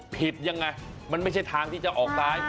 ยังไงมันไม่ใช่ทางที่จะออกซ้าย